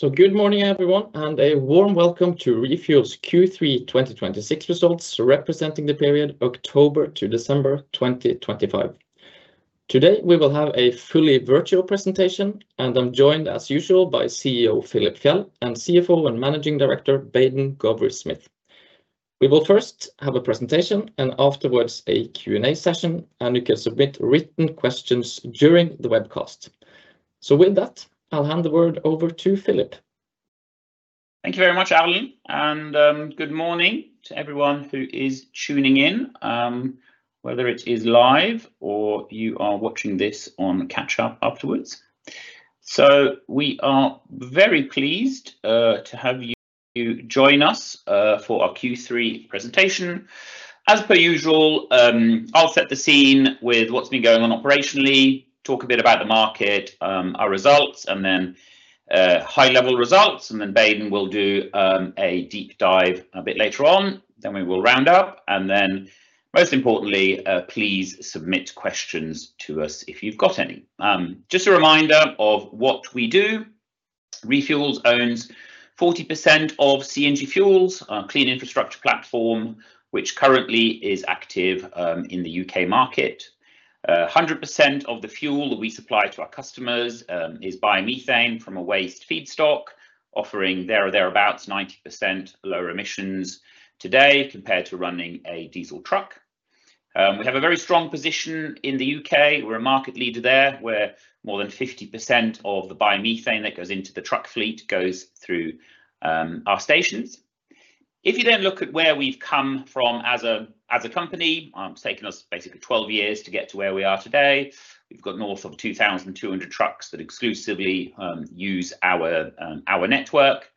Good morning, everyone, and a warm welcome to ReFuels Q3 2026 Results, representing the period October to December 2025. Today, we will have a fully virtual presentation, and I'm joined, as usual, by CEO, Philip Fjeld, and CFO and Managing Director, Baden Gowrie-Smith. We will first have a presentation, and afterwards a Q&A session, and you can submit written questions during the webcast. With that, I'll hand the word over to Philip. Thank you very much, Arlin, good morning to everyone who is tuning in, whether it is live or you are watching this on catch up afterwards. We are very pleased to have you join us for our Q3 presentation. As per usual, I'll set the scene with what's been going on operationally, talk a bit about the market, our results, high-level results, Baden will do a deep dive a bit later on. We will round up, most importantly, please submit questions to us if you've got any. Just a reminder of what we do. ReFuels owns 40% of CNG Fuels, our clean infrastructure platform, which currently is active in the U.K. market. 100% of the fuel that we supply to our customers is biomethane from a waste feedstock, offering there or thereabouts, 90% lower emissions today compared to running a diesel truck. We have a very strong position in the U.K. We're a market leader there, where more than 50% of the biomethane that goes into the truck fleet goes through our stations. You look at where we've come from as a company, it's taken us basically 12 years to get to where we are today. We've got north of 2,200 trucks that exclusively use our network.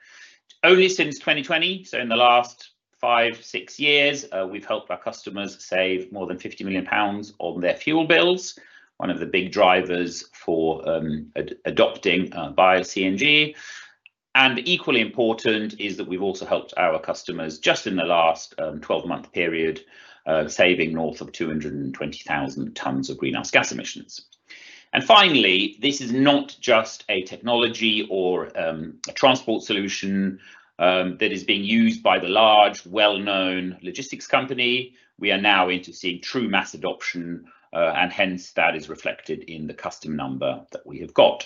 Only since 2020, so in the last five, six years, we've helped our customers save more than 50 million pounds on their fuel bills, one of the big drivers for adopting Bio-CNG. Equally important is that we've also helped our customers, just in the last 12-month period, saving north of 220,000 tons of greenhouse gas emissions. Finally, this is not just a technology or a transport solution that is being used by the large, well-known logistics company. We are now into seeing true mass adoption, hence that is reflected in the customer number that we have got.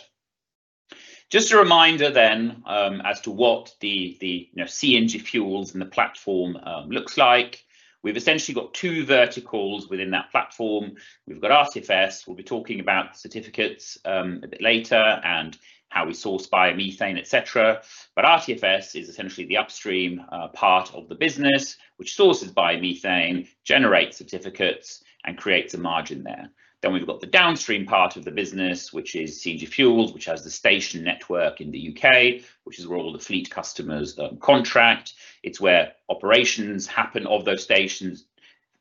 Just a reminder, as to what the, you know, CNG Fuels and the platform looks like. We've essentially got two verticals within that platform. We've got RTFS. We'll be talking about certificates, a bit later, and how we source biomethane, et cetera. RTFS is essentially the upstream part of the business, which sources biomethane, generates certificates, and creates a margin there. We've got the downstream part of the business, which is CNG Fuels, which has the station network in the U.K., which is where all the fleet customers contract. It's where operations happen of those stations,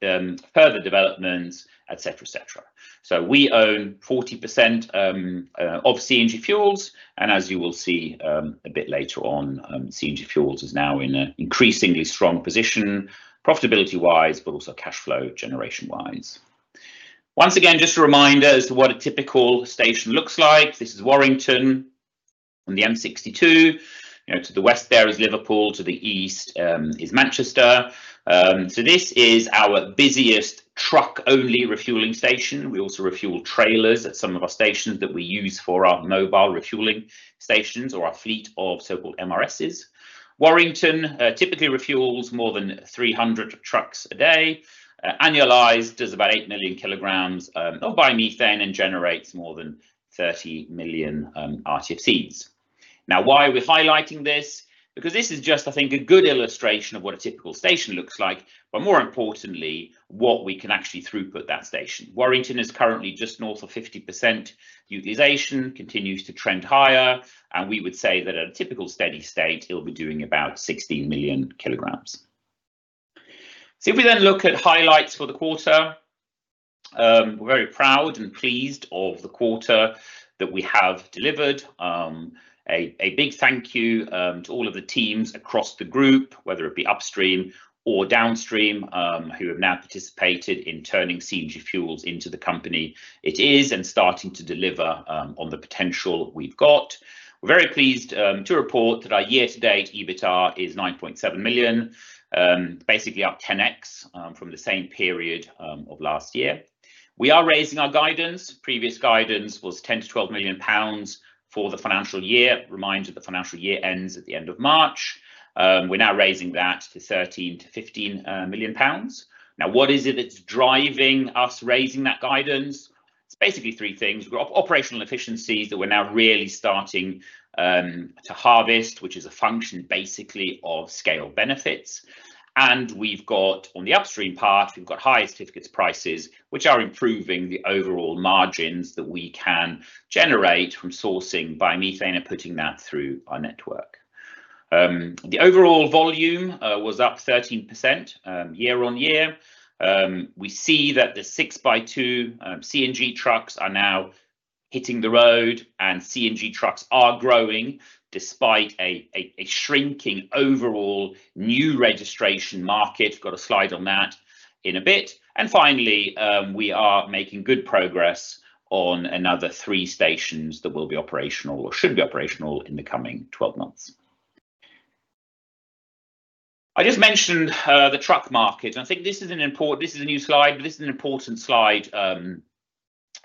further developments, et cetera, et cetera. We own 40% of CNG Fuels, and as you will see, a bit later on, CNG Fuels is now in an increasingly strong position, profitability-wise, but also cash flow generation-wise. Once again, just a reminder as to what a typical station looks like. This is Warrington on the M62. You know, to the west there is Liverpool, to the east, is Manchester. This is our busiest truck-only refueling station. We also refuel trailers at some of our stations that we use for our Mobile Refueling Stations or our fleet of so-called MRSs. Warrington typically refuels more than 300 trucks a day. Annualized, it's about 8 million kg of biomethane, and generates more than 30 million RTFCs. Why are we highlighting this? Because this is just, I think, a good illustration of what a typical station looks like, but more importantly, what we can actually throughput that station. Warrington is currently just north of 50% utilization, continues to trend higher, and we would say that at a typical steady state, it'll be doing about 16 million kg. If we then look at highlights for the quarter, we're very proud and pleased of the quarter that we have delivered. A big thank you to all of the teams across the group, whether it be upstream or downstream, who have now participated in turning CNG Fuels into the company it is, and starting to deliver on the potential we've got. We're very pleased to report that our year-to-date EBITDA is 9.7 million, basically up 10x from the same period of last year. We are raising our guidance. Previous guidance was 10 million-12 million pounds for the financial year. Reminder, the financial year ends at the end of March. We're now raising that to 13 million-15 million pounds. What is it that's driving us raising that guidance? It's basically three things. We've got operational efficiencies that we're now really starting to harvest, which is a function basically of scale benefits, and we've got. On the upstream part, we've got higher certificates prices, which are improving the overall margins that we can generate from sourcing biomethane and putting that through our network. The overall volume was up 13% year-on-year. We see that the 6x2 CNG trucks are now hitting the road, and CNG trucks are growing despite a shrinking overall new registration market. I've got a slide on that in a bit. Finally, we are making good progress on another three stations that will be operational or should be operational in the coming 12 months. I just mentioned the truck market, and I think this is a new slide, but this is an important slide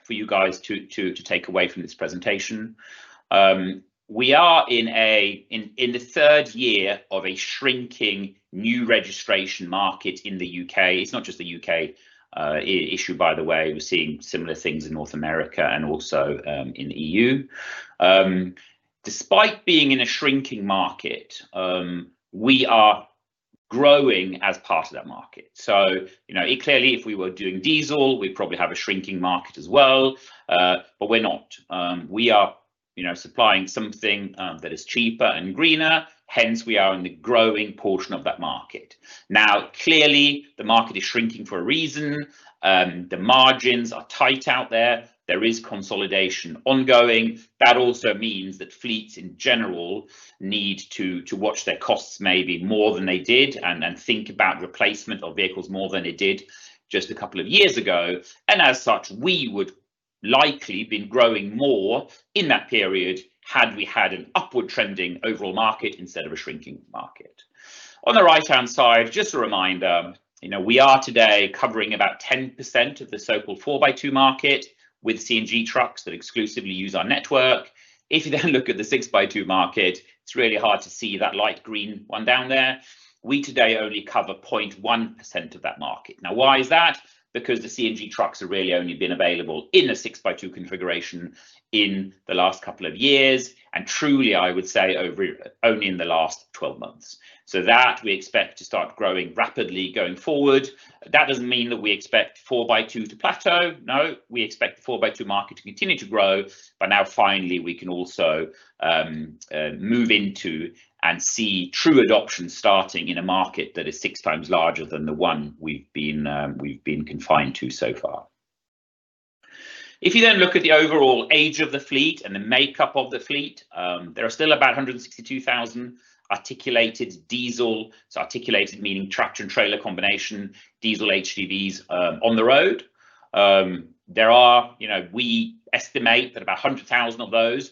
for you guys to take away from this presentation. We are in the third year of a shrinking new registration market in the U.K. It's not just a U.K. issue, by the way. We're seeing similar things in North America and also in the EU. Despite being in a shrinking market, we are growing as part of that market. You know, clearly, if we were doing diesel, we'd probably have a shrinking market as well, but we're not. We are, you know, supplying something that is cheaper and greener, hence we are in the growing portion of that market. Clearly, the market is shrinking for a reason. The margins are tight out there. There is consolidation ongoing. That also means that fleets, in general, need to watch their costs maybe more than they did, and think about replacement of vehicles more than they did just a couple of years ago. As such, we would likely been growing more in that period had we had an upward-trending overall market instead of a shrinking market. On the right-hand side, just a reminder, you know, we are today covering about 10% of the so-called 4x2 market with CNG trucks that exclusively use our network. If you then look at the 6x2 market, it's really hard to see that light green one down there. We today only cover 0.1% of that market. Now, why is that? Because the CNG trucks have really only been available in a 6x2 configuration in the last couple of years, Truly, I would say over. only in the last 12 months. That we expect to start growing rapidly going forward. That doesn't mean that we expect 4x2 to plateau. We expect the 4x2 market to continue to grow, but now finally, we can also move into and see true adoption starting in a market that is 6 times larger than the one we've been confined to so far. If you look at the overall age of the fleet and the makeup of the fleet, there are still about 162,000 articulated diesel, so articulated meaning tractor and trailer combination, diesel HDVs on the road. You know, we estimate that about 100,000 of those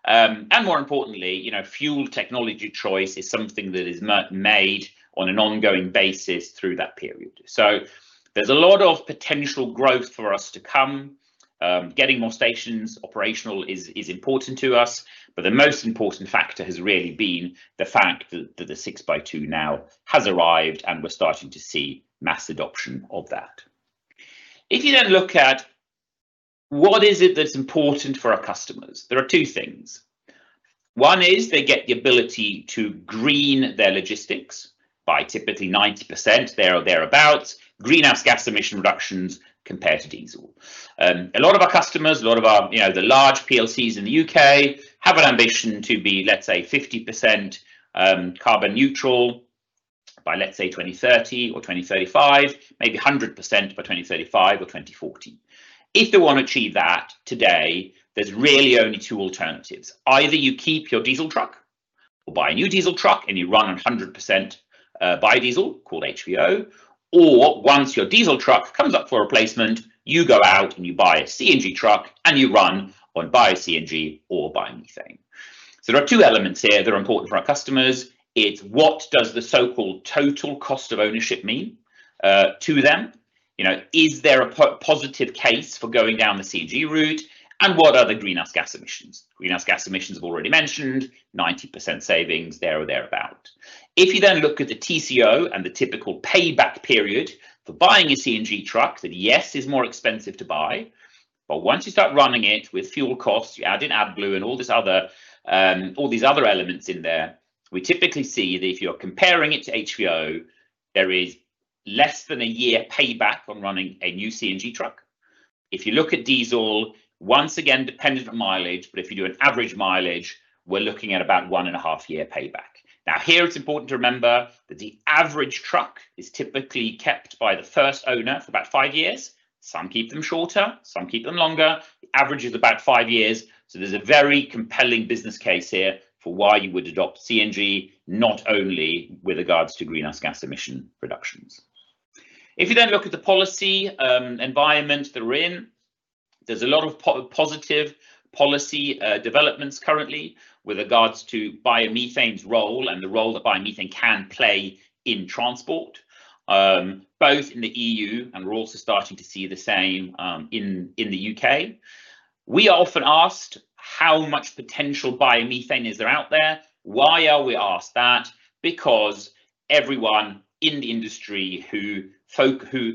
will need to be replaced between now and 2035. More importantly, you know, fuel technology choice is something that is made on an ongoing basis through that period. There's a lot of potential growth for us to come. Getting more stations operational is important to us. The most important factor has really been the fact that the 6x2 now has arrived. We're starting to see mass adoption of that. If you then look at, what is it that's important for our customers? There are two things. One is they get the ability to green their logistics by typically 90%, there or thereabout, greenhouse gas emission reductions compared to diesel. A lot of our customers, a lot of our, you know, the large PLCs in the U.K., have an ambition to be, let's say, 50% carbon neutral by, let's say, 2030 or 2035, maybe 100% by 2035 or 2040. If they want to achieve that today, there's really only two alternatives. Either you keep your diesel truck or buy a new diesel truck, and you run on 100% biodiesel, called HVO, or once your diesel truck comes up for replacement, you go out and you buy a CNG truck, and you run on biomethane or biomethane. There are two elements here that are important for our customers. It's what does the so-called total cost of ownership mean to them? You know, is there a positive case for going down the CNG route, and what are the greenhouse gas emissions? Greenhouse gas emissions, I've already mentioned, 90% savings, there or thereabout. If you then look at the TCO and the typical payback period for buying a CNG truck, that, yes, is more expensive to buy, but once you start running it with fuel costs, you add in AdBlue and all this other, all these other elements in there, we typically see that if you're comparing it to HVO, there is less than a year payback on running a new CNG truck. If you look at diesel, once again, dependent on mileage, but if you do an average mileage, we're looking at about 1.5-year payback. Here, it's important to remember that the average truck is typically kept by the first owner for about five years. Some keep them shorter, some keep them longer. The average is about five years. There's a very compelling business case here for why you would adopt CNG, not only with regards to greenhouse gas emission reductions. You look at the policy environment that we're in, there's a lot of positive policy developments currently with regards to biomethane's role and the role that biomethane can play in transport, both in the EU, and we're also starting to see the same in the U.K. We are often asked how much potential biomethane is there out there. Why are we asked that? Everyone in the industry folk who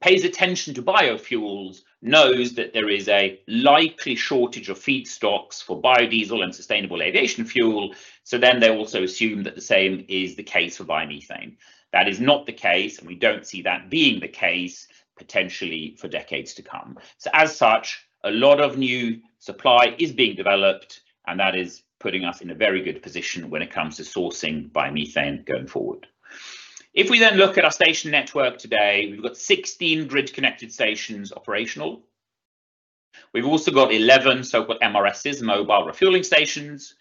pays attention to biofuels knows that there is a likely shortage of feedstocks for biodiesel and sustainable aviation fuel, they also assume that the same is the case for biomethane. That is not the case, and we don't see that being the case potentially for decades to come. As such, a lot of new supply is being developed, and that is putting us in a very good position when it comes to sourcing biomethane going forward. We look at our station network today, we've got 16 grid-connected stations operational. We've also got 11 so-called MRSs, mobile refueling stations.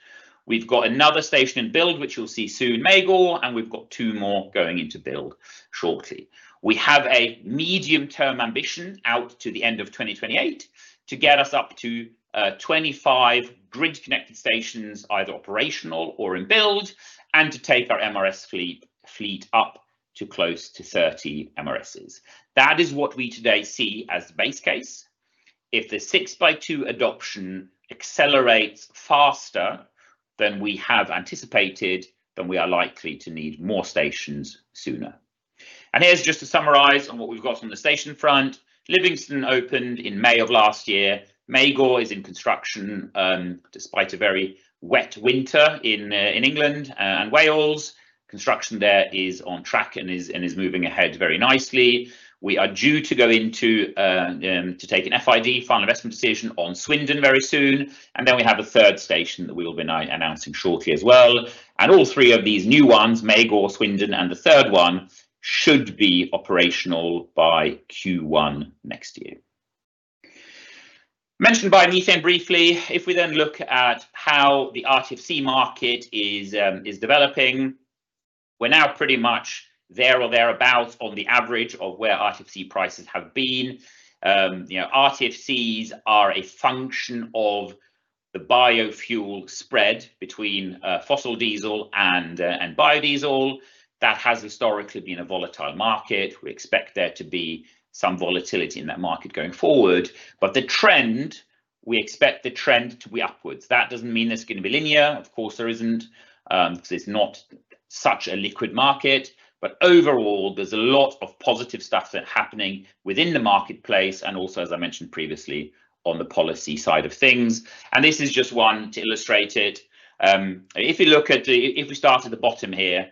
We've got another station in build, which you'll see soon, Magor, and we've got two more going into build shortly. We have a medium-term ambition out to the end of 2028 to get us up to 25 grid-connected stations, either operational or in build, and to take our MRS fleet up to close to 30 MRSs. That is what we today see as the base case. If the 6x2 adoption accelerates faster than we have anticipated, we are likely to need more stations sooner. Here's just to summarize on what we've got on the station front. Livingston opened in May of last year. Magor is in construction, despite a very wet winter in England and Wales. Construction there is on track and is moving ahead very nicely. We are due to go into to take an FID, final investment decision, on Swindon very soon, and then we have a third station that we will be announcing shortly as well. All three of these new ones, Magor, Swindon, and the third one, should be operational by Q1 next year. Mentioned biomethane briefly, if we then look at how the RTFC market is developing, we're now pretty much there or thereabout on the average of where RTFC prices have been. You know, RTFCs are a function of the biofuel spread between fossil diesel and biodiesel. That has historically been a volatile market. We expect there to be some volatility in that market going forward, but we expect the trend to be upwards. That doesn't mean it's gonna be linear. Of course, there isn't. Because it's not such a liquid market, but overall, there's a lot of positive stuff that are happening within the marketplace and also, as I mentioned previously, on the policy side of things, and this is just one to illustrate it. If you look at the. If we start at the bottom here,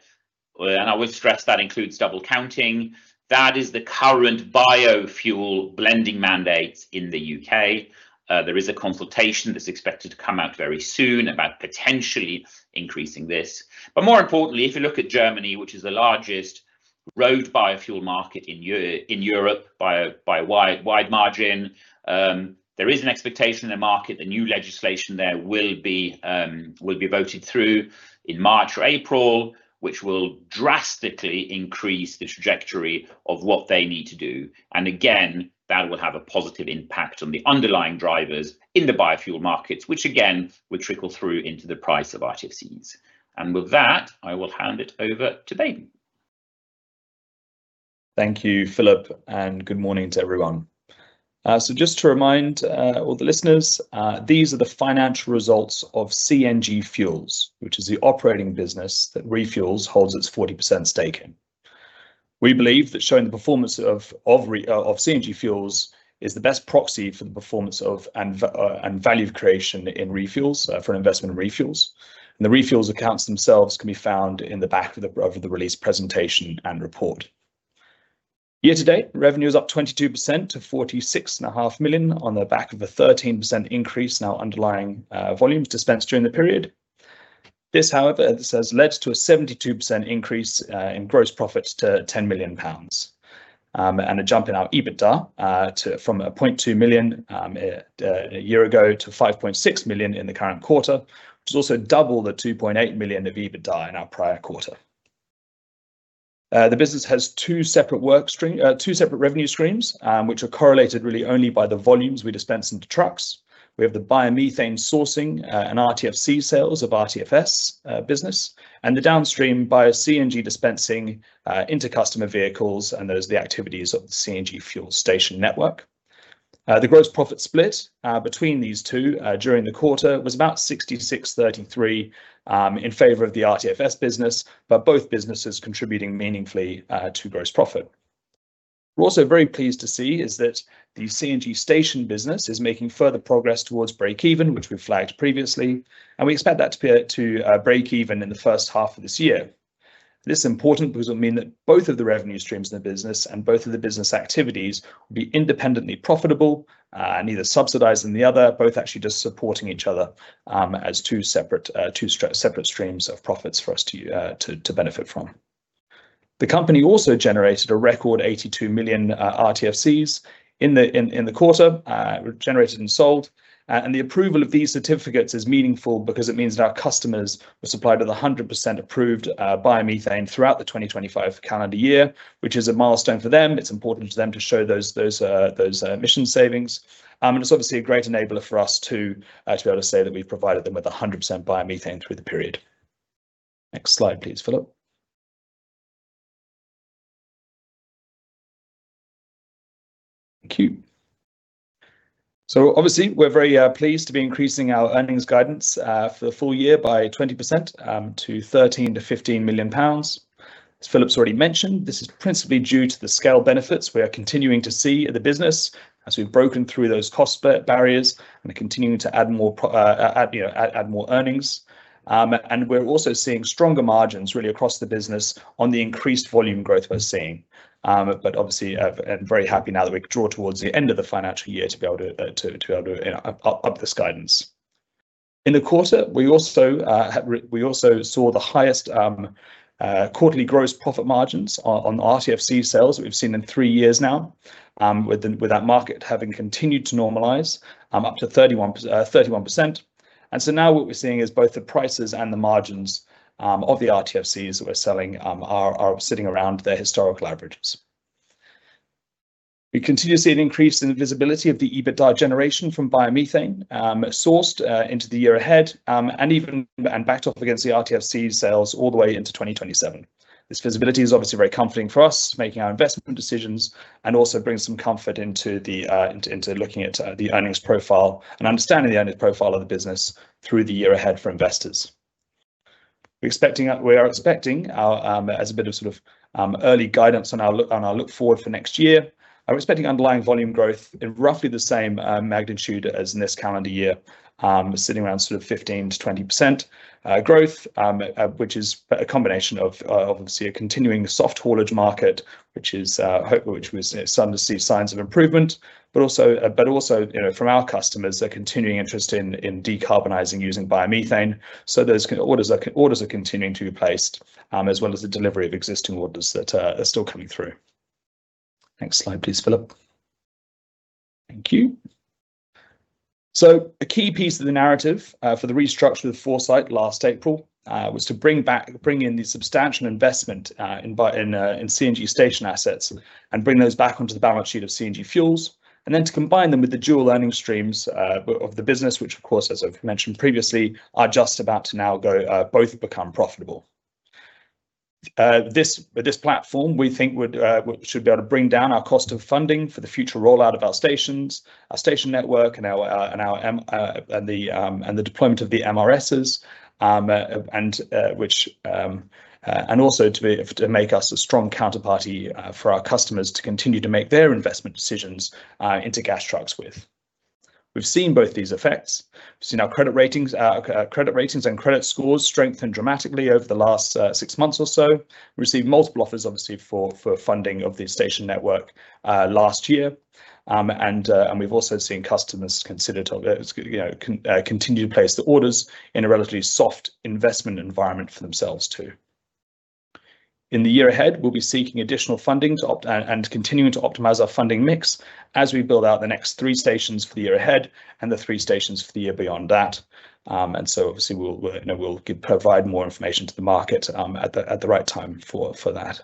I would stress that includes double counting, that is the current biofuel blending mandate in the U.K. There is a consultation that's expected to come out very soon about potentially increasing this. More importantly, if you look at Germany, which is the largest road biofuel market in Europe by a wide margin, there is an expectation in the market the new legislation there will be voted through in March or April, which will drastically increase the trajectory of what they need to do. Again, that will have a positive impact on the underlying drivers in the biofuel markets, which, again, will trickle through into the price of RTFCs. With that, I will hand it over to Baden. Thank you, Philip. Good morning to everyone. Just to remind all the listeners, these are the financial results of CNG Fuels, which is the operating business that ReFuels holds its 40% stake in. We believe that showing the performance of CNG Fuels is the best proxy for the performance of and value creation in ReFuels for investment in ReFuels. The ReFuels accounts themselves can be found in the back of the release presentation and report. Year to date, revenue is up 22% to 46.5 million on the back of a 13% increase in our underlying volumes dispensed during the period. This, however, has led to a 72% increase in gross profits to 10 million pounds, and a jump in our EBITDA from 0.2 million a year ago to 5.6 million in the current quarter, which is also double the 2.8 million of EBITDA in our prior quarter. The business has two separate work stream, two separate revenue streams, which are correlated really only by the volumes we dispense into trucks. We have the biomethane sourcing and RTFC sales of RTFS business, and the downstream Bio-CNG dispensing into customer vehicles, and those are the activities of the CNG fuel station network. The gross profit split between these two during the quarter was about 66/33 in favor of the RTFS business, but both businesses contributing meaningfully to gross profit. We're also very pleased to see is that the CNG station business is making further progress towards break even, which we flagged previously, and we expect that to be to break even in the first half of this year. This is important because it'll mean that both of the revenue streams in the business and both of the business activities will be independently profitable, and neither subsidizing the other, both actually just supporting each other, as two separate streams of profits for us to benefit from. The company also generated a record 82 million RTFCs in the quarter, generated and sold. The approval of these certificates is meaningful because it means that our customers were supplied with 100% approved biomethane throughout the 2025 calendar year, which is a milestone for them. It's important to them to show those emission savings. It's obviously a great enabler for us to be able to say that we've provided them with 100% biomethane through the period. Next slide please, Philip. Thank you. Obviously, we're very pleased to be increasing our earnings guidance for the full year by 20%, to 13 million-15 million pounds. As Philip's already mentioned, this is principally due to the scale benefits we are continuing to see in the business as we've broken through those cost barriers and are continuing to add more. Add more earnings. We're also seeing stronger margins, really, across the business on the increased volume growth we're seeing. Obviously, I'm very happy now that we can draw towards the end of the financial year to be able to, up this guidance. In the quarter, we also saw the highest, quarterly gross profit margins on RTFC sales we've seen in three years now, with that market having continued to normalize, up to 31%. Now what we're seeing is both the prices and the margins, of the RTFCs that we're selling, are sitting around their historical averages. We continue to see an increase in the visibility of the EBITDA generation from biomethane sourced into the year ahead, and even, and backed up against the RTFC sales all the way into 2027. This visibility is obviously very comforting for us, making our investment decisions, and also brings some comfort into looking at the earnings profile and understanding the earnings profile of the business through the year ahead for investors. We are expecting our as a bit of sort of early guidance on our look, on our look forward for next year. Are we expecting underlying volume growth in roughly the same magnitude as in this calendar year, sitting around 15%-20% growth, which is a combination of obviously, a continuing soft haulage market, which we're starting to see signs of improvement, but also, you know, from our customers, a continuing interest in decarbonizing using biomethane. Those orders are continuing to be placed as well as the delivery of existing orders that are still coming through. Next slide, please, Philip. Thank you. A key piece of the narrative for the restructure with Foresight last April was to bring in the substantial investment in CNG station assets, and bring those back onto the balance sheet of CNG Fuels, and then to combine them with the dual earnings streams of the business, which, of course, as I've mentioned previously, are just about to now go both become profitable. This platform, we think, would should be able to bring down our cost of funding for the future rollout of our stations, our station network, and our and the deployment of the MRSs, and which and also to be, to make us a strong counterparty for our customers to continue to make their investment decisions into gas trucks with. We've seen both these effects. We've seen our credit ratings, credit ratings and credit scores strengthen dramatically over the last six months or so. We received multiple offers, obviously, for funding of the station network last year. We've also seen customers consider, you know, continue to place the orders in a relatively soft investment environment for themselves, too. In the year ahead, we'll be seeking additional funding and continuing to optimize our funding mix as we build out the next three stations for the year ahead and the three stations for the year beyond that. Obviously, you know, we'll provide more information to the market at the right time for that.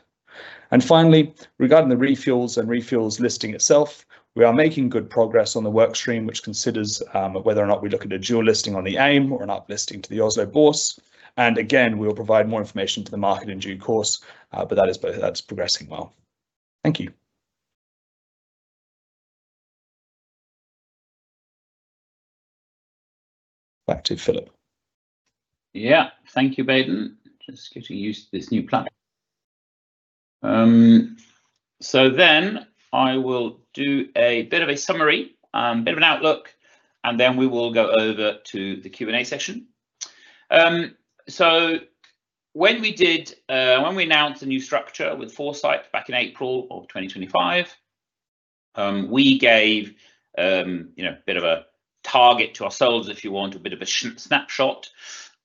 Finally, regarding the ReFuels listing itself, we are making good progress on the work stream, which considers whether or not we look at a dual listing on the AIM or an uplisting to the Oslo Børs. Again, we will provide more information to the market in due course, that's progressing well. Thank you. Back to Philip. Yeah. Thank you, Baden. Just getting used to this new platform. Then I will do a bit of a summary, a bit of an outlook, and then we will go over to the Q&A session. When we did, when we announced the new structure with Foresight back in April of 2025, we gave, you know, a bit of a target to ourselves, if you want, a bit of a snapshot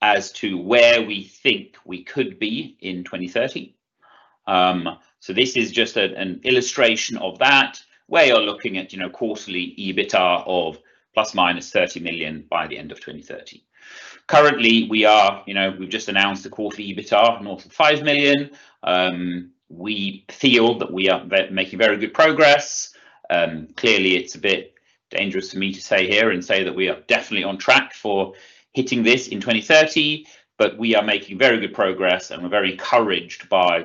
as to where we think we could be in 2030. This is just an illustration of that, where you're looking at, you know, quarterly EBITDA of ±30 million by the end of 2030. Currently, you know, we've just announced the quarterly EBITDA, north of 5 million. We feel that we are making very good progress. Clearly, it's a bit dangerous for me to say here and say that we are definitely on track for hitting this in 2030, but we are making very good progress, and we're very encouraged by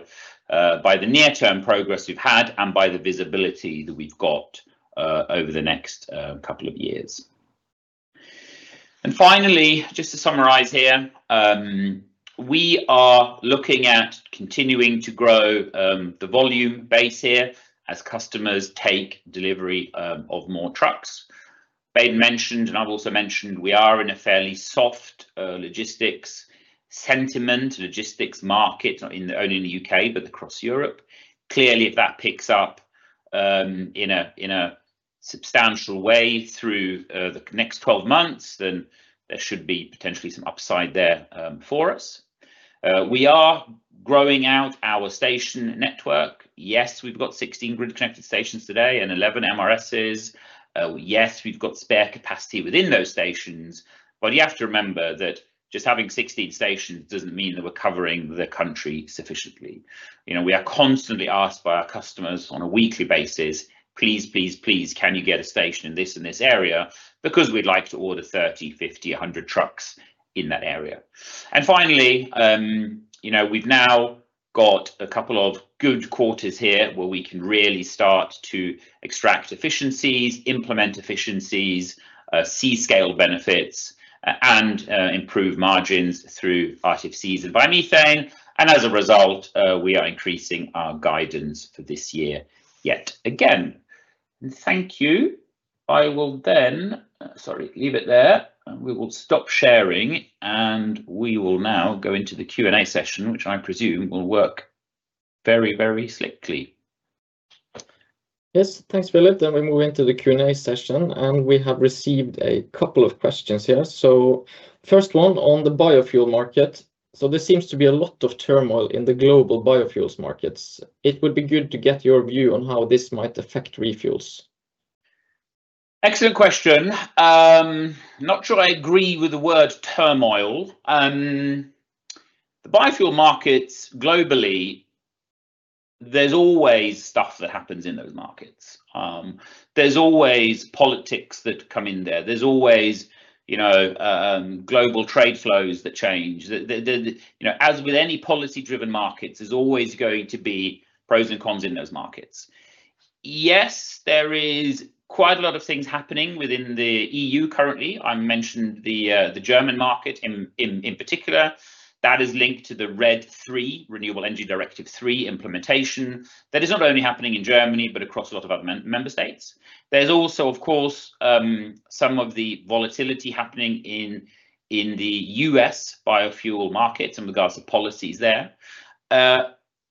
the near-term progress we've had and by the visibility that we've got over the next two years. Finally, just to summarize here, we are looking at continuing to grow the volume base here as customers take delivery of more trucks. Baden mentioned, and I've also mentioned, we are in a fairly soft logistics sentiment, logistics market, not only in the U.K., but across Europe. Clearly, if that picks up in a substantial way through the next 12 months, then there should be potentially some upside there for us. We are growing out our station network. Yes, we've got 16 grid-connected stations today and 11 MRSs. Yes, we've got spare capacity within those stations, but you have to remember that just having 16 stations doesn't mean that we're covering the country sufficiently. You know, we are constantly asked by our customers on a weekly basis, "Please, please, can you get a station in this and this area? Because we'd like to order 30, 50, 100 trucks in that area." Finally, you know, we've now got a couple of good quarters here, where we can really start to extract efficiencies, implement efficiencies, and improve margins through RTFCs and biomethane, and as a result, we are increasing our guidance for this year yet again. Thank you. I will then. Sorry, leave it there. We will stop sharing, and we will now go into the Q&A session, which I presume will work very, very smoothly. Yes. Thanks, Philip. We move into the Q&A session, and we have received a couple of questions here. First one on the biofuel market. "There seems to be a lot of turmoil in the global biofuels markets. It would be good to get your view on how this might affect ReFuels? Excellent question. Not sure I agree with the word turmoil. The biofuel markets globally, there's always stuff that happens in those markets. There's always politics that come in there. There's always, you know, global trade flows that change. The, you know, as with any policy-driven markets, there's always going to be pros and cons in those markets. Yes, there is quite a lot of things happening within the EU currently. I mentioned the German market in particular. That is linked to the RED III, Renewable Energy Directive III implementation. That is not only happening in Germany, but across a lot of other member states. There's also, of course, some of the volatility happening in the U.S. biofuel market in regards to policies there.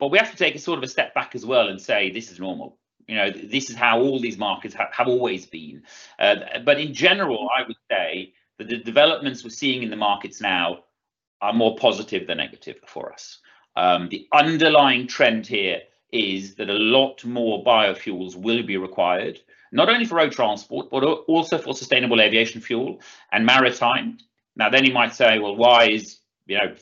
We have to take a sort of a step back as well and say, "This is normal." You know, this is how all these markets have always been. In general, I would say that the developments we're seeing in the markets now are more positive than negative for us. The underlying trend here is that a lot more biofuels will be required, not only for road transport, but also for sustainable aviation fuel and maritime. You might say, "Well, why is, you know,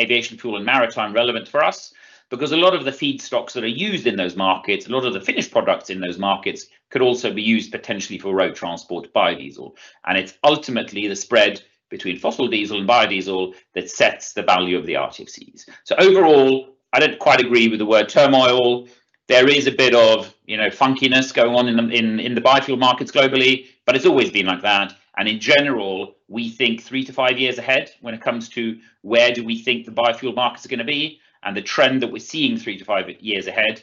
aviation fuel and maritime relevant for us?" A lot of the feedstocks that are used in those markets, a lot of the finished products in those markets, could also be used potentially for road transport biodiesel, and it's ultimately the spread between fossil diesel and biodiesel that sets the value of the RTFCs. Overall, I don't quite agree with the word turmoil. There is a bit of, you know, funkiness going on in the biofuel markets globally, but it's always been like that, and in general, we think three to five years ahead when it comes to where do we think the biofuel markets are gonna be, and the trend that we're seeing three to five years ahead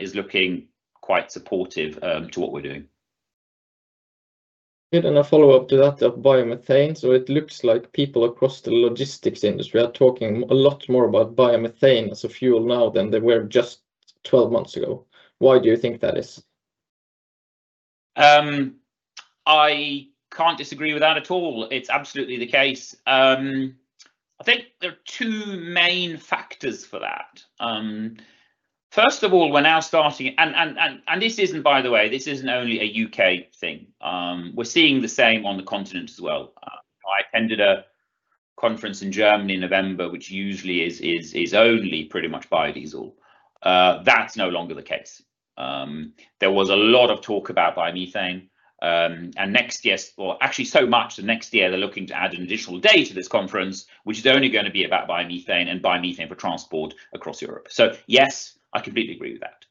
is looking quite supportive to what we're doing. Good, a follow-up to that of biomethane, it looks like people across the logistics industry are talking a lot more about biomethane as a fuel now than they were just 12 months ago. Why do you think that is? I can't disagree with that at all. It's absolutely the case. I think there are two main factors for that. First of all, we're now starting. This isn't, by the way, this isn't only a U.K. thing. We're seeing the same on the continent as well. I attended a conference in Germany in November, which usually is only pretty much biodiesel. That's no longer the case. There was a lot of talk about biomethane, actually so much, that next year they're looking to add an additional day to this conference, which is only gonna be about biomethane and biomethane for transport across Europe. Yes, I completely agree with that.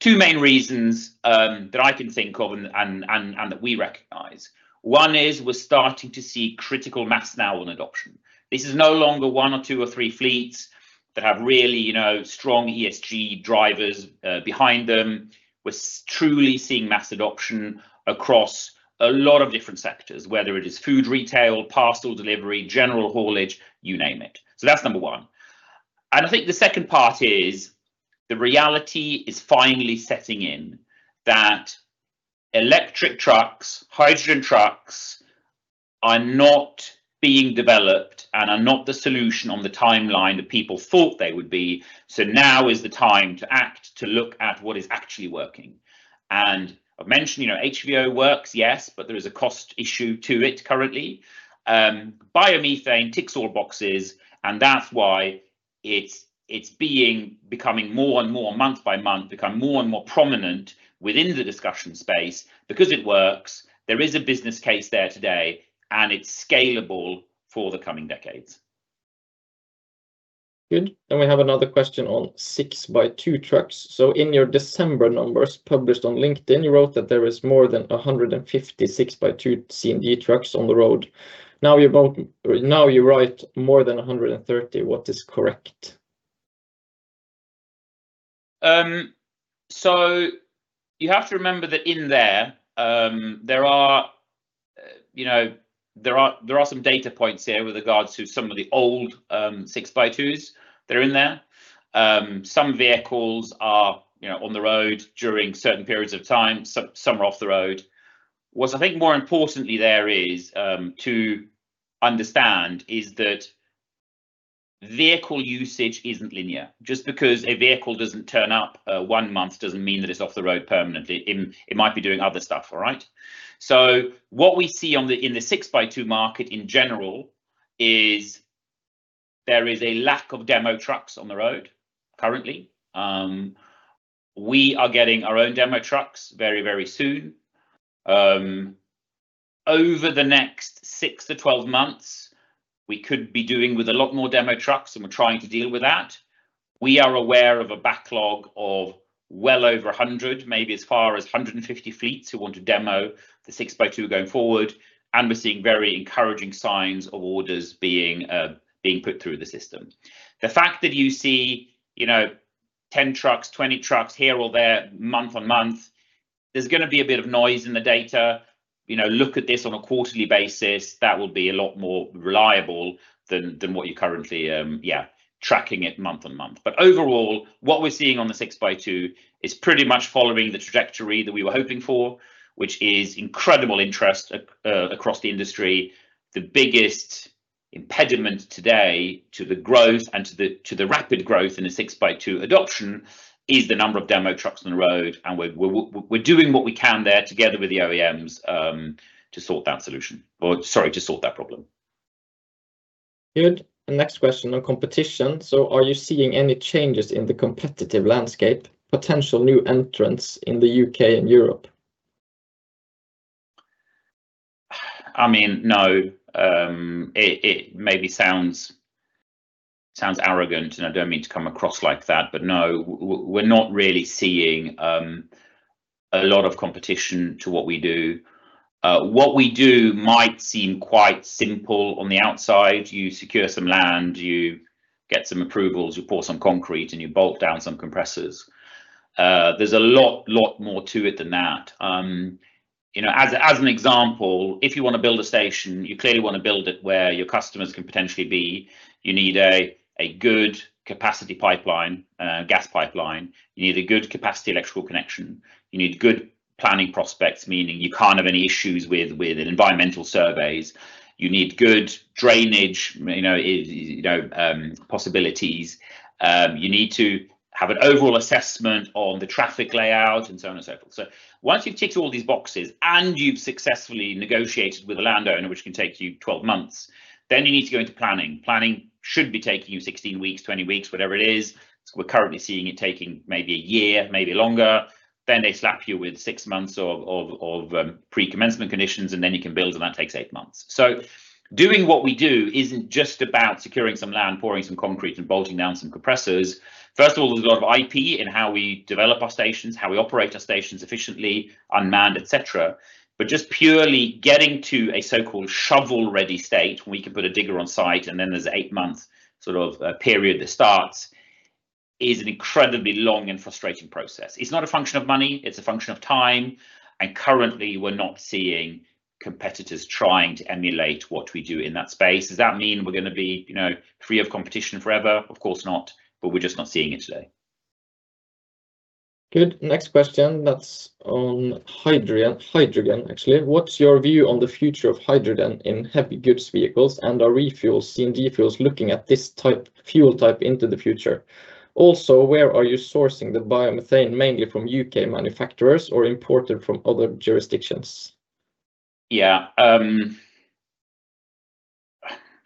Two main reasons, that I can think of and that we recognize. One is we're starting to see critical mass now on adoption. This is no longer one or two or three fleets that have really, you know, strong ESG drivers behind them. We're truly seeing mass adoption across a lot of different sectors, whether it is food, retail, parcel delivery, general haulage, you name it. That's number one. I think the second part is the reality is finally setting in, that electric trucks, hydrogen trucks are not being developed and are not the solution on the timeline that people thought they would be. Now is the time to act, to look at what is actually working. I've mentioned, you know, HVO works, yes, but there is a cost issue to it currently. Biomethane ticks all boxes. That's why it's becoming more and more, month by month, becoming more and more prominent within the discussion space because it works. There is a business case there today. It's scalable for the coming decades. Good. We have another question on 6x2 trucks. "In your December numbers published on LinkedIn, you wrote that there was more than 150 6x2 CNG trucks on the road. Now you write more than 130. What is correct?" You have to remember that in there are some data points here with regards to some of the old 6x2s that are in there. Some vehicles are on the road during certain periods of time, some are off the road. What I think more importantly there is to understand, is that vehicle usage isn't linear. Just because a vehicle doesn't turn up, one month, doesn't mean that it's off the road permanently. It might be doing other stuff. All right? What we see on the, in the 6x2 market, in general, is there is a lack of demo trucks on the road currently. We are getting our own demo trucks very, very soon. Over the next six to 12 months, we could be doing with a lot more demo trucks. We're trying to deal with that. We are aware of a backlog of well over 100, maybe as far as 150 fleets, who want to demo the 6x2 going forward. We're seeing very encouraging signs of orders being put through the system. The fact that you see, you know, 10 trucks, 20 trucks here or there, month-on-month, there's gonna be a bit of noise in the data. You know, look at this on a quarterly basis. That will be a lot more reliable than what you're currently tracking it month-on-month. Overall, what we're seeing on the 6x2 is pretty much following the trajectory that we were hoping for, which is incredible interest across the industry. The biggest impediment today to the growth and to the rapid growth in the 6x2 adoption is the number of demo trucks on the road, we're doing what we can there together with the OEM to sort that solution, or sorry, to sort that problem. Good. Next question on competition: are you seeing any changes in the competitive landscape, potential new entrants in the U.K. and Europe? I mean, no. It maybe sounds arrogant, and I don't mean to come across like that, but, no, we're not really seeing a lot of competition to what we do. What we do might seem quite simple on the outside. You secure some land, you get some approvals, you pour some concrete, and you bolt down some compressors. There's a lot more to it than that. You know, as an example, if you want to build a station, you clearly want to build it where your customers can potentially be. You need a good capacity pipeline, gas pipeline. You need a good capacity electrical connection. You need good planning prospects, meaning you can't have any issues with environmental surveys. You need good drainage, you know, you know, possibilities. You need to have an overall assessment on the traffic layout, and so on and so forth. Once you've ticked all these boxes and you've successfully negotiated with the landowner, which can take you 12 months, you need to go into planning. Planning should be taking you 16 weeks, 20 weeks, whatever it is. We're currently seeing it taking maybe a year, maybe longer. They slap you with six months of pre-commencement conditions, and then you can build, and that takes eight months. Doing what we do isn't just about securing some land, pouring some concrete, and bolting down some compressors. First of all, there's a lot of IP in how we develop our stations, how we operate our stations efficiently, unmanned, et cetera, but just purely getting to a so-called shovel-ready state, we can put a digger on site, and then there's an eight-month sort of a period that starts, is an incredibly long and frustrating process. It's not a function of money, it's a function of time, and currently, we're not seeing competitors trying to emulate what we do in that space. Does that mean we're gonna be, you know, free of competition forever? Of course not, but we're just not seeing it today. Good. Next question that's on hydrogen, actually. What's your view on the future of hydrogen in heavy goods vehicles, and are ReFuels, CNG Fuels, looking at this type, fuel type into the future? Also, where are you sourcing the biomethane, mainly from U.K. manufacturers or imported from other jurisdictions? We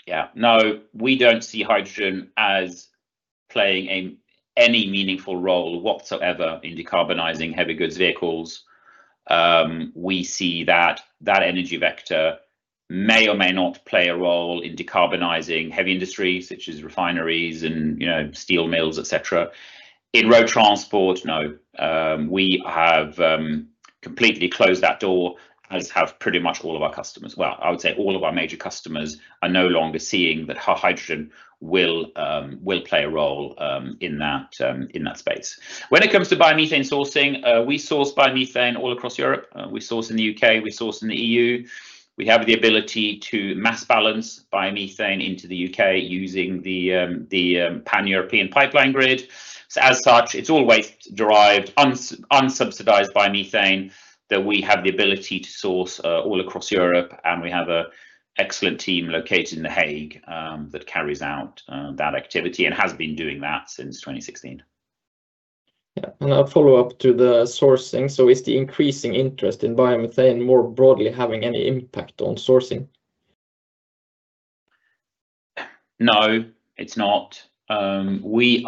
don't see hydrogen as playing any meaningful role whatsoever in decarbonizing heavy goods vehicles. We see that that energy vector may or may not play a role in decarbonizing heavy industry, such as refineries and, you know, steel mills, et cetera. In road transport, no, we have completely closed that door, as have pretty much all of our customers. I would say all of our major customers are no longer seeing that hydrogen will play a role in that space. When it comes to biomethane sourcing, we source biomethane all across Europe. We source in the U.K. We source in the EU. We have the ability to mass balance biomethane into the U.K. using the Pan-European pipeline grid. As such, it's always derived unsubsidized biomethane that we have the ability to source all across Europe, and we have an excellent team located in The Hague, that carries out that activity and has been doing that since 2016. I'll follow up to the sourcing. Is the increasing interest in biomethane more broadly having any impact on sourcing? No, it's not. We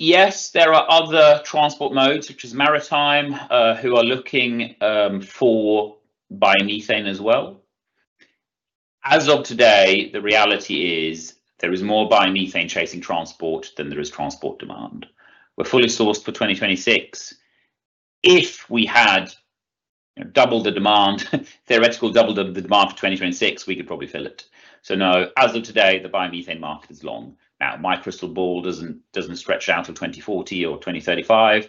are. Yes, there are other transport modes, such as maritime, who are looking for biomethane as well. As of today, the reality is there is more biomethane chasing transport than there is transport demand. We're fully sourced for 2026. If we had, you know, double the demand, theoretical double the demand for 2026, we could probably fill it. No, as of today, the biomethane market is long. My crystal ball doesn't stretch out to 2040 or 2035,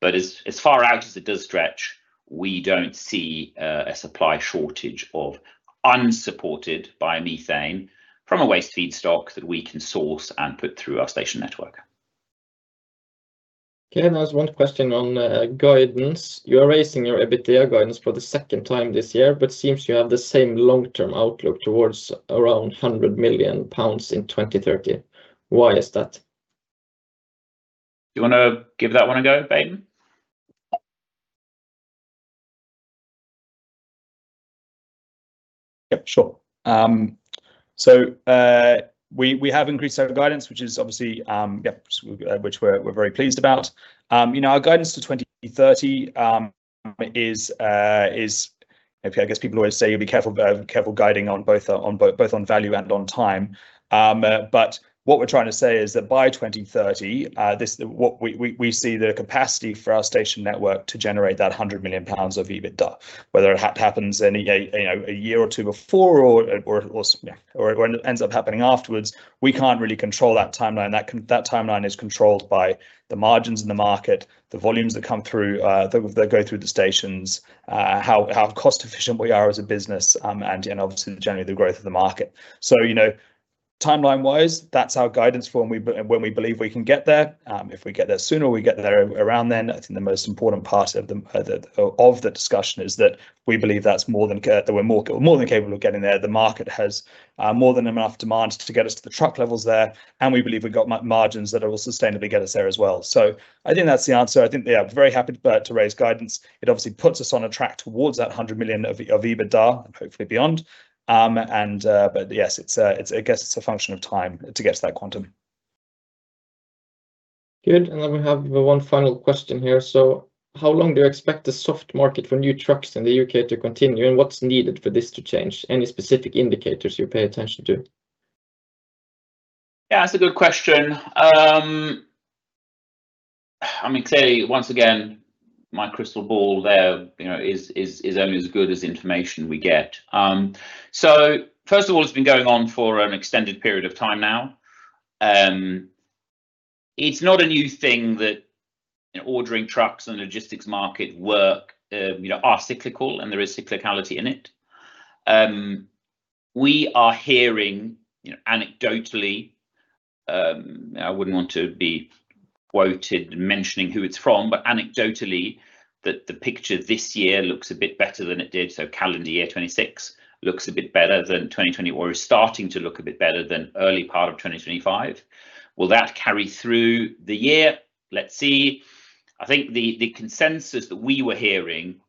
but as far out as it does stretch, we don't see a supply shortage of unsupported biomethane from a waste feedstock that we can source and put through our station network. Okay, there's one question on guidance. You are raising your EBITDA guidance for the second time this year, but seems you have the same long-term outlook towards around 100 million pounds in 2030. Why is that? Do you wanna give that one a go, Baden? Yep, sure. We have increased our guidance, which is obviously, yep, which we're very pleased about. You know, our guidance to 2030 is. Okay, I guess people always say you be careful guiding on both on value and on time. What we're trying to say is that by 2030, this, what we see the capacity for our station network to generate that 100 million pounds of EBITDA. Whether it happens in a, you know, a year or two before or ends up happening afterwards, we can't really control that timeline. That timeline is controlled by the margins in the market, the volumes that come through, that go through the stations, how cost efficient we are as a business, and obviously, generally, the growth of the market. You know, timeline-wise, that's our guidance for when we, when we believe we can get there. If we get there sooner or we get there around then, I think the most important part of the discussion is that we believe that's more than capable of getting there. The market has more than enough demand to get us to the truck levels there, and we believe we've got margins that will sustainably get us there as well. I think that's the answer. I think, yeah, very happy to raise guidance. It obviously puts us on a track towards that 100 million of EBITDA and hopefully beyond. Yes, it's a, I guess it's a function of time to get to that quantum. Good, we have the one final question here. How long do you expect the soft market for new trucks in the U.K. to continue, and what's needed for this to change? Any specific indicators you pay attention to? Yeah, that's a good question. I mean, clearly, once again, my crystal ball there, you know, is only as good as the information we get. First of all, it's been going on for an extended period of time now. It's not a new thing that ordering trucks and the logistics market work, you know, are cyclical, and there is cyclicality in it. We are hearing, you know, anecdotally, I wouldn't want to be quoted mentioning who it's from, but anecdotally, that the picture this year looks a bit better than it did, so calendar year 2026 looks a bit better than or is starting to look a bit better than early part of 2025. Will that carry through the year? Let's see. I think the consensus that we were hearing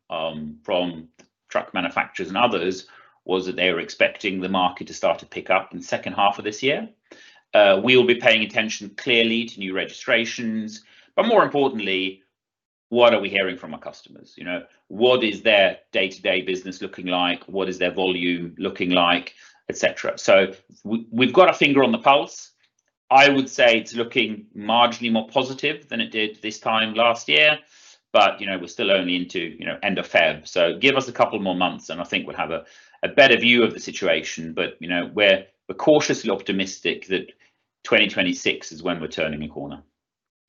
from truck manufacturers and others was that they were expecting the market to start to pick up in H2 of this year. We will be paying attention clearly to new registrations, more importantly, what are we hearing from our customers? You know, what is their day-to-day business looking like? What is their volume looking like, et cetera. We've got our finger on the pulse. I would say it's looking marginally more positive than it did this time last year, you know, we're still only into, you know, end of February. Give us a couple more months, and I think we'll have a better view of the situation. You know, we're cautiously optimistic that 2026 is when we're turning a corner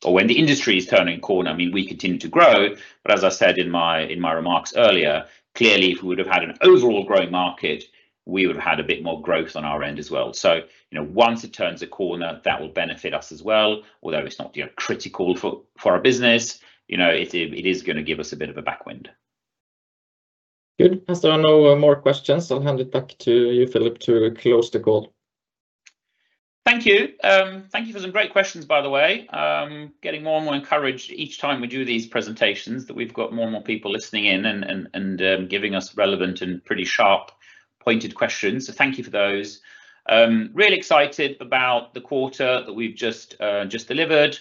or when the industry is turning a corner. I mean, we continue to grow, as I said in my remarks earlier, clearly, if we would've had an overall growing market, we would've had a bit more growth on our end as well. You know, once it turns a corner, that will benefit us as well. It's not, you know, critical for our business, you know, it is gonna give us a bit of a backwind. Good. As there are no more questions, I'll hand it back to you, Philip, to close the call. Thank you. Thank you for some great questions, by the way. Getting more and more encouraged each time we do these presentations, that we've got more and more people listening in and giving us relevant and pretty sharp, pointed questions, so thank you for those. Really excited about the quarter that we've just delivered.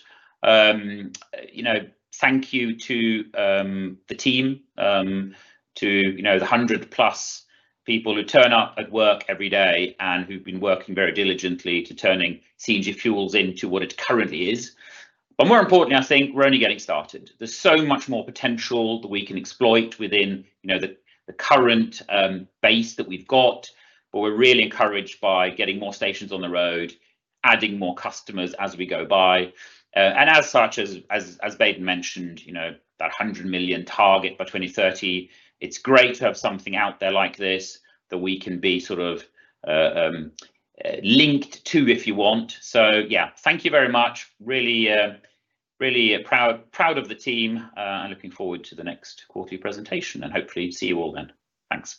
You know, thank you to the team, to, you know, the 100-plus people who turn up at work every day and who've been working very diligently to turning CNG Fuels into what it currently is. More importantly, I think we're only getting started. There's so much more potential that we can exploit within, you know, the current base that we've got, but we're really encouraged by getting more stations on the road, adding more customers as we go by. As such, as Baden mentioned, you know, that 100 million target by 2030, it's great to have something out there like this that we can be sort of linked to, if you want. Yeah, thank you very much. Really, really proud of the team, and looking forward to the next quarterly presentation, and hopefully see you all then. Thanks.